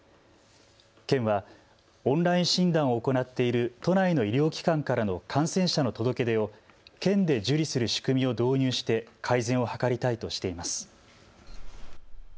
県はオンライン診断を行っている都内の医療機関からの感染者の届け出を県で受理する仕組みを導入して改善を図りたいとしています。